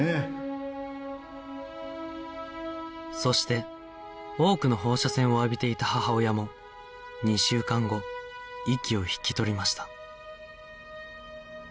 そして多くの放射線を浴びていた母親も２週間後息を引き取りました